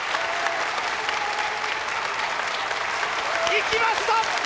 いきました！